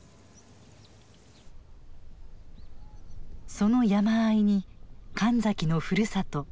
その山あいに神崎のふるさと